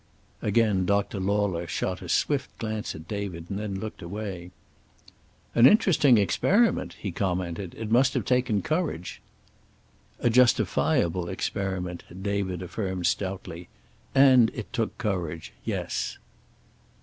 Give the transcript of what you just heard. Again Doctor Lauler shot a swift glance at David, and looked away. "An interesting experiment," he commented. "It must have taken courage." "A justifiable experiment," David affirmed stoutly. "And it took courage. Yes."